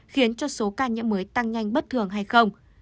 khiến cho số ca nhiễm mới tăng nhanh bất thường hay không